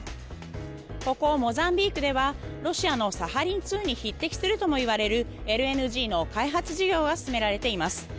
ここ、モザンビークではロシアのサハリン２に匹敵するともいわれるＬＮＧの開発事業が進められています。